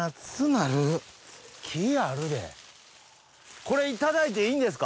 これいただいていいんですか？